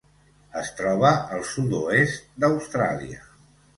Es troba al sud-oest d'Austràlia.